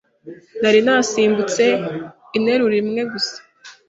Nari nasimbutse interuro imwe gusa